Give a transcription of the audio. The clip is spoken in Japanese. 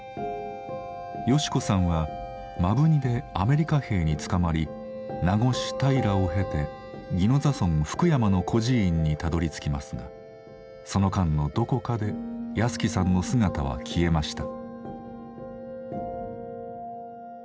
好子さんは摩文仁でアメリカ兵に捕まり名護市田井等を経て宜野座村福山の孤児院にたどりつきますがその間のどこかで保喜さんの姿は消えました。